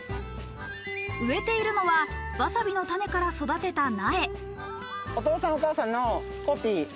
植えているのはわさびの種から育てた苗。